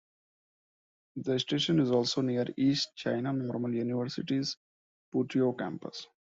The station is also near East China Normal University's Putuo campus.